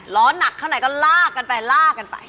ล้อหนักข้างในก็ลากกันไปลากกันไป